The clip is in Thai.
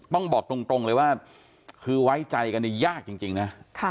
บอกตรงเลยว่าคือไว้ใจกันนี่ยากจริงนะ